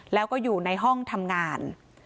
แล้วก็อยู่ในห้องทำงาน